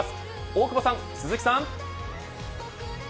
大久保さん、鈴木さん。